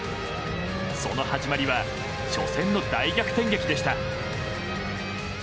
その始まりは初戦の大逆転劇でした。